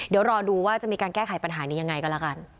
เดี๋ยวรอดูว่าจะมีการแก้ไขปัญหานี้ยังไงก็แล้วกัน